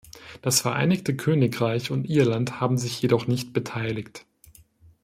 Das Vereinigte Königreich und Irland haben sich jedoch nicht beteiligt.